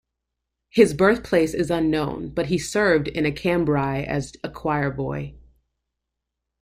His birthplace is unknown, but he served in Cambrai as a choirboy.